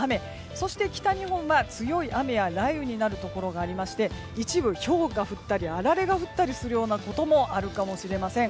そして北日本は強い雨や雷雨になるところがありまして一部、ひょうが降ったりあられが降ったりするようなことあるかもしれません。